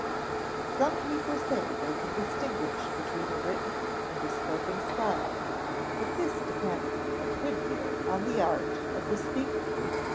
Some people say they can distinguish between a written and a spoken style, but this depends a good deal on the art of the speaker.